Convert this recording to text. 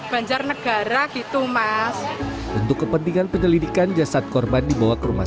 banjarnegara gitu mas untuk kepentingan penyelidikan jasad korban dibawa ke rumah